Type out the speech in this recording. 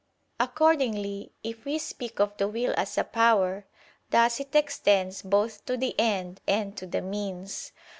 Accordingly, if we speak of the will as a power, thus it extends both to the end and to the means.